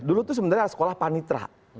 dulu itu sebenarnya sekolah panitra